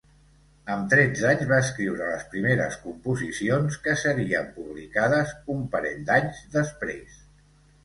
Amb tretze anys va escriure les primeres composicions, que serien publicades un parell d'anys després.